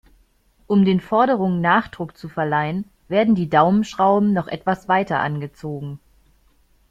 Um den Forderungen Nachdruck zu verleihen, werden die Daumenschrauben noch etwas weiter angezogen.